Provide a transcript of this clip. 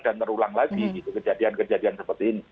dan terulang lagi kejadian kejadian seperti ini